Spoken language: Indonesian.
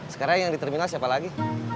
sekarang yang di terminal siapa lagi